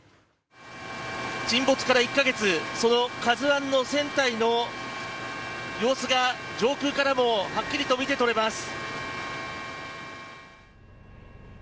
その「ＫＡＺＵ１」の船体の様子が上空からもはっきりと見て取れます。